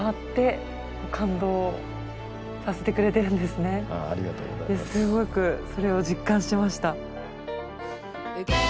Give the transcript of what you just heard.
すごくそれを実感しました。